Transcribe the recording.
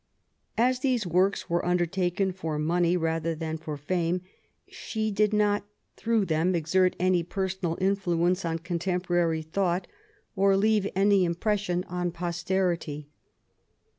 As these works were undertaken for money rather than for fame, she did not through them exert any personal influence on contemporary thought, or leave any im pression on posterity.